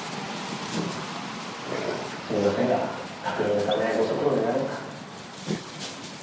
すみませんが確認のためご足労願えますか。